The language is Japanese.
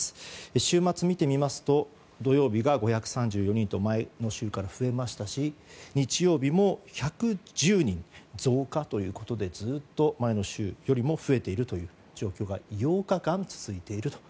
週末見てみますと土曜日が５３４人と前の週から増えましたし日曜日も１１０人増加ということで前の週よりも増えているという状況が８日間続いていると。